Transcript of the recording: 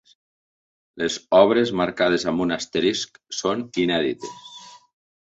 Les obres marcades amb un asterisc són inèdites.